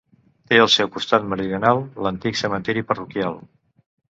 Té al seu costat meridional l'antic cementiri parroquial.